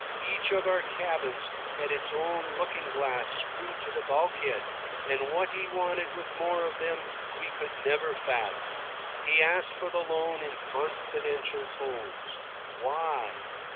Each of our cabins had its own looking glass screwed to the bulkhead, and what he wanted with more of them we never could fathom. He asked for the loan in confidential tones. Why?